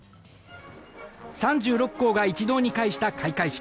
３６校が一堂に会した開会式。